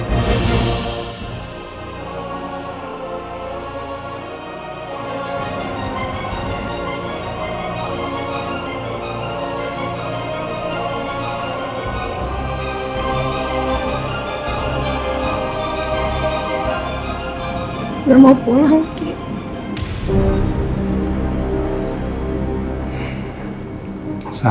gue mau pulang